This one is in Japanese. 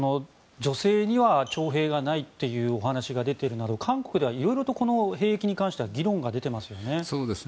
女性には徴兵がないというお話が出ているなど韓国では色々と兵役に関しては議論が出ていますよね。